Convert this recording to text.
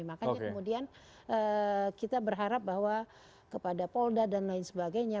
makanya kemudian kita berharap bahwa kepada polda dan lain sebagainya